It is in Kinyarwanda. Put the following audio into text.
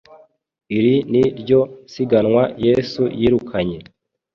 Iri ni ryo siganwa Yesu yirukanye